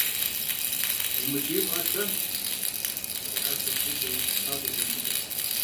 – УмыкӀий, бгъэщтэнщ, – жиӀащ щэху дыдэу пхъащӀэ Жамырзэ.